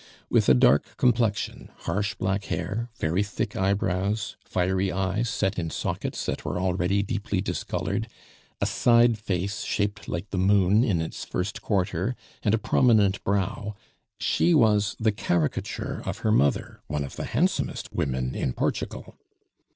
With a dark complexion, harsh black hair, very thick eyebrows, fiery eyes, set in sockets that were already deeply discolored, a side face shaped like the moon in its first quarter, and a prominent brow, she was the caricature of her mother, one of the handsomest women in Portugal.